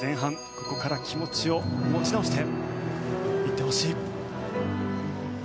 ここから気持ちを持ち直して行ってほしい。